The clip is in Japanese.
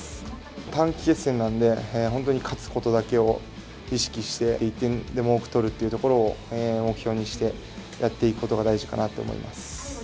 短期決戦なんで、本当に勝つことだけを意識して１点でも多く取るということを目標にしてやっていくことが大事かなと思います。